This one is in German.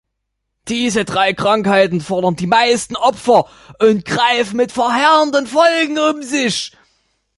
Diese drei Krankheiten fordern die meisten Opfer und greifen mit verheerenden Folgen um sich.